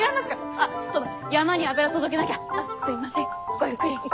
あっすみませんごゆっくり。